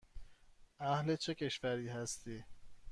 اهل چه کشوری هستی؟